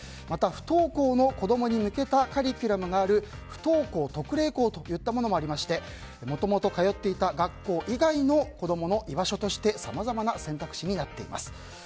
また不登校の子供に向けたカリキュラムがある不登校特例校といったものもありましてもともと通っていた学校以外の子供の居場所としてさまざまな選択肢になっています。